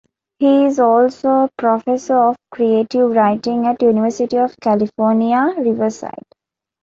He is also a professor of creative writing at University of California, Riverside.